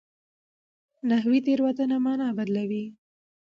نحوي تېروتنه مانا بدلوي.